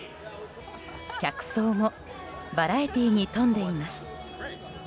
客層もバラエティーに富んでいます。